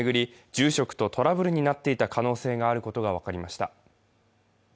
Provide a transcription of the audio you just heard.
住職とトラブルになっていた可能性があることが分かりました。